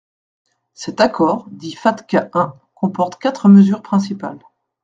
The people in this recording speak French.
Cet accord, dit « FATCA un », comporte quatre mesures principales.